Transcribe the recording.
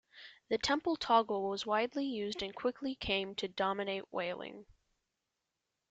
The Temple toggle was widely used, and quickly came to dominate whaling.